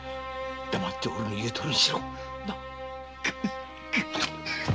黙っておれの言うとおりにしろ。